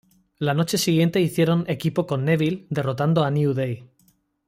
La noche siguiente hicieron equipo con Neville derrotando a New Day.